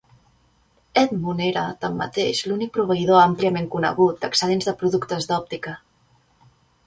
Edmund era, tanmateix, l'únic proveïdor àmpliament conegut d'excedents de productes d'òptica.